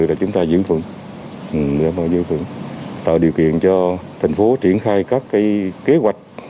tình hình an ninh trật tự là chúng ta giữ phận tạo điều kiện cho thành phố triển khai các kế hoạch